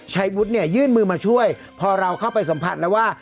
ใช้วุฒิเนี่ยยื่นมือมาช่วยพอเราเข้าไปสัมผัสแล้วว่า